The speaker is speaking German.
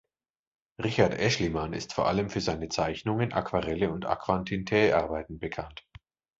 Richard Aeschlimann ist vor allem für seine Zeichnungen, Aquarelle und Aquatintae-Arbeiten bekannt.